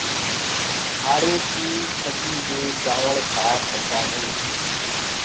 سآݪينٚ ڪي ڇڃي دي چآوݪ سآڦ هوندآ هينٚ۔